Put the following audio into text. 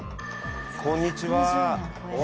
こんにちは。